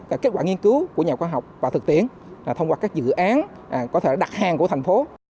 và kết quả nghiên cứu của nhà khoa học và thực tiễn thông qua các dự án có thể đặt hàng của thành phố